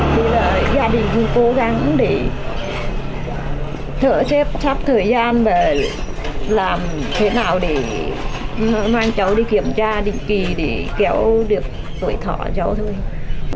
nên là gia đình cũng cố gắng để thở xếp sắp thời gian và làm thế nào để mang cháu đi kiểm tra định kỳ để kéo được tuổi thọ cháu thôi